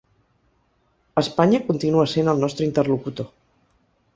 Espanya continua sent el nostre interlocutor.